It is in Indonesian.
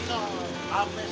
ya oh yapres